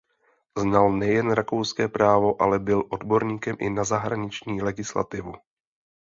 Znal nejen rakouské právo ale byl odborníkem i na zahraniční legislativu.